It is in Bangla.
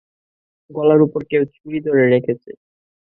গলার উপর কেউ ছুরি ধরে রেখেছে।